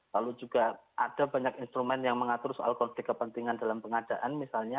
lalu juga ada banyak instrumen yang mengatur soal konflik kepentingan dalam pengadaan misalnya